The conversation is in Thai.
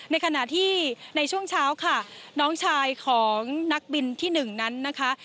ในขณะที่ในช่วงเช้าค่ะน้องชายของนักบินที่๑นั้นนะคะ